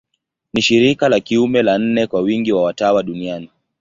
Ni shirika la kiume la nne kwa wingi wa watawa duniani.